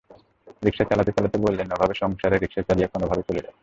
রিকশা চালাতে চালাতে বললেন, অভাবের সংসার, রিকশা চালিয়ে কোনোভাবে চলে যাচ্ছে।